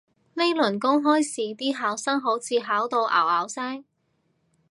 呢輪公開試啲考生好似考到拗拗聲